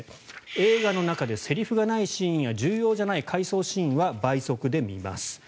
映画の中でセリフがないシーンや重要じゃない回想シーンは倍速で見ます。